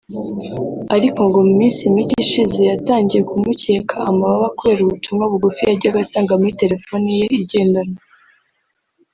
ariko ngo mu minsi mike ishize yatangiye kumukeka amababa kubera ubutumwa bugufi yajyaga asanga muri telefoni ye igendanwa